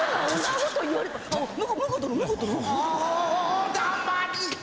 お黙り！